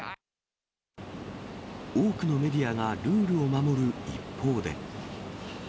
多くのメディアがルールを守る一方で。